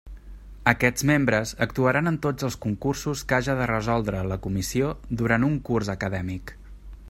Aquests membres actuaran en tots els concursos que haja de resoldre la comissió durant un curs acadèmic.